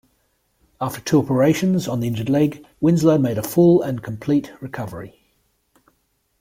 After two operations on the injured leg, Winslow made a full and complete recovery.